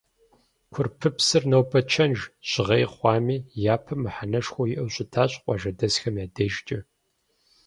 Курпыпсыр нобэ чэнж, жьгъей хъуами, япэм мыхьэнэшхуэ иӏэу щытащ къуажэдэсхэм я дежкӏэ.